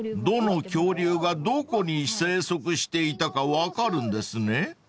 ［どの恐竜がどこに生息していたか分かるんですね］